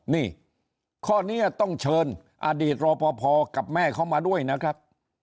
นี่ข้อนี้ต้องเชิญอดีตรอปภกับแม่เขามาด้วยนะครับ